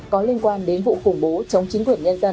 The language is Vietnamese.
có liên quan đến vụ khủng bố chống chính quyền nhân dân ở việt nam